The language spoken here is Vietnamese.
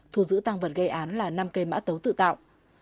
thu giữ tăng vật gây án là năm cây mã tấu tự tạo